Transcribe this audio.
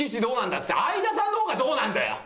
っつって相田さんの方がどうなんだよ！